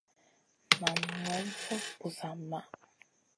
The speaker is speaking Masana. Nan ŋòm fokŋ busa maʼh.